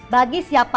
bagi siapa pun ya